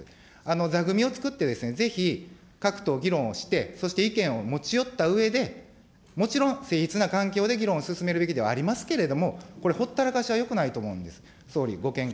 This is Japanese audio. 座組を作って、ぜひ各党、議論をして、そして意見を持ち寄ったうえで、もちろん誠実な環境で議論を進めるべきではありますけれども、これ、ほったらかしはよくないと思うんです。